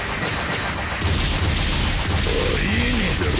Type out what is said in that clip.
あり得ねえだろ